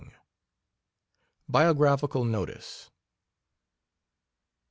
BIOGRAPHICAL NOTICE.